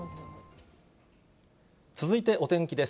続いてお天気です。